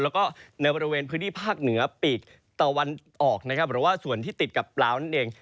แล้วก็ในบริเวณพื้นที่ภาคเหนือปีกตะวันออกนะครับหรือว่าส่วนที่ติดกับลาวนั่นเอง